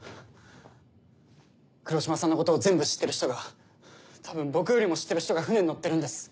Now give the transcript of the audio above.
黒島さんのことを全部知ってる人が多分僕よりも知ってる人が船に乗ってるんです。